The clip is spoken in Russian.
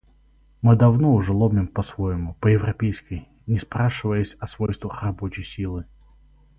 Мы давно уже ломим по-своему, по-европейски, не спрашиваясь о свойствах рабочей силы.